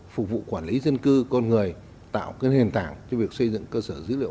phục vụ quản lý dân cư con người tạo nền tảng cho việc xây dựng cơ sở dữ liệu